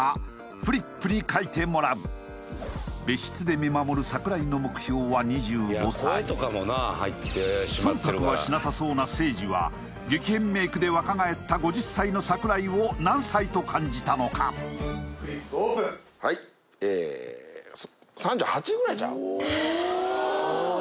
フリップに書いてもらう別室で見守る忖度はしなさそうなせいじは激変メイクで若返った５０歳の櫻井を何歳と感じたのかはいえー３８ぐらいちゃう？